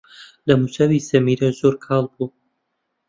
دەموچاوی سەمیرە زۆر کاڵ بوو.